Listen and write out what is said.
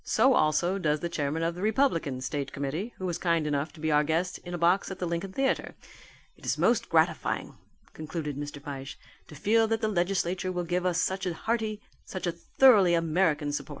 So also does the chairman of the Republican State Committee, who was kind enough to be our guest in a box at the Lincoln Theatre. It is most gratifying," concluded Mr. Fyshe, "to feel that the legislature will give us such a hearty, such a thoroughly American support."